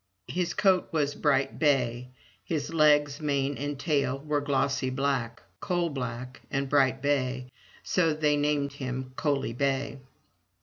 His coat was bright bay; his legs, mane, and tail were glossy black — coal black and bright bay — so they named him Coaly bay.